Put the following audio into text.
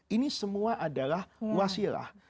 ini semua adalah wasilah